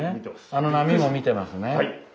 あの波も見てますね。